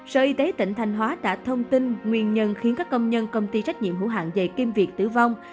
sở y tế tỉnh thanh hóa đã thông tin nguyên nhân khiến các công nhân công ty trách nhiệm hữu hạng dày kim việt tử vong